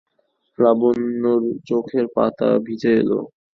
লাবণ্যর চোখের পাতা ভিজে এল।